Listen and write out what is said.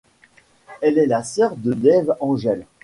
Elle est la sœur de Dave Angel.